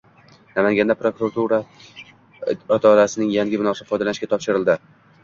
Namanganda prokuratura idorasining yangi binosi foydalanishga topshirildi